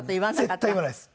絶対言わないです。